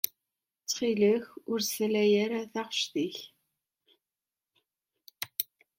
Ttxil-k ur salay ara taɣect-ik.